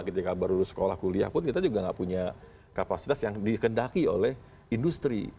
ketika baru lulus sekolah kuliah pun kita juga nggak punya kapasitas yang dikendaki oleh industri